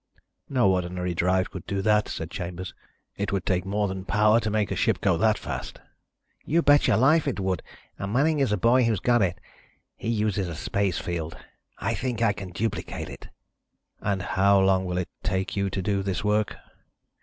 "No ordinary drive would do that," said Chambers. "It would take more than power to make a ship go that fast." "You bet your life it would, and Manning is the boy who's got it. He uses a space field. I think I can duplicate it." "And how long will it take you to do this work?"